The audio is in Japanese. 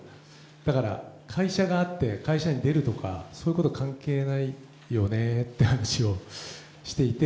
だから会社があって、会社を出るとか、そういうこと関係ないよねって話をしていて。